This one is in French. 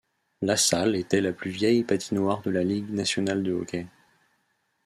La salle était la plus vieille patinoire de la Ligue nationale de hockey.